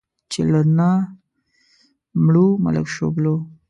چې له نه مړو، ملک شوبلو.